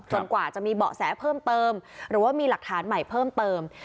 กว่าจะมีเบาะแสเพิ่มเติมหรือว่ามีหลักฐานใหม่เพิ่มเติม